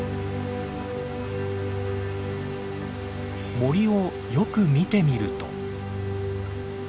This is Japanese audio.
森をよく見てみると。